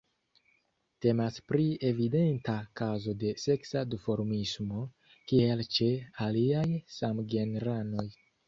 Temas pri evidenta kazo de seksa duformismo, kiel ĉe aliaj samgenranoj.